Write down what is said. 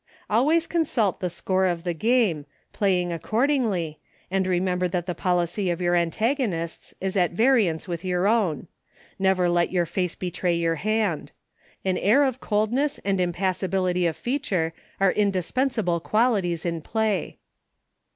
112 EUCHRE. Always consult the score of the game, playing accordingly, and remember that the policy of your antagonists is at variance with your own. Never let your face betray your hand. An air of coldness, and impassibility of feature, are indispensable qualities in play.